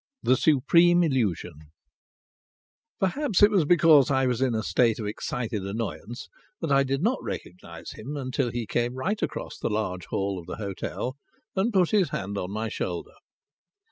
THE SUPREME ILLUSION I Perhaps it was because I was in a state of excited annoyance that I did not recognize him until he came right across the large hall of the hotel and put his hand on my shoulder.